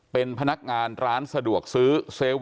เป็นพนักงานร้านสะดวกซื้อ